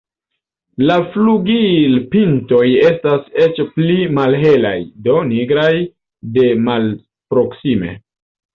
La flugilpintoj estas eĉ pli malhelaj, do nigraj de malproksime.